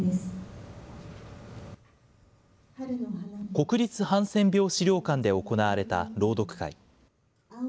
国立ハンセン病資料館で行われた朗読会。